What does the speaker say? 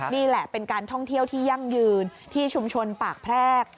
นี่แหละเป็นการท่องเที่ยวที่ยั่งยืนที่ชุมชนปากแพรก